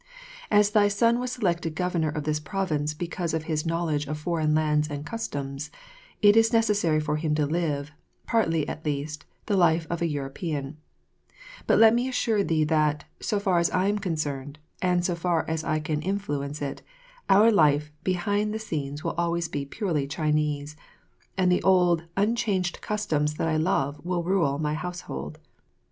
As thy son was selected governor of this province because of his knowledge of foreign lands and customs, it is necessary for him to live, partly at least, the life of a European; but let me assure thee that, so far as I am concerned, and so far as I can influence it, our life behind the screens will always be purely Chinese, and the old, unchanged customs that I love will rule my household.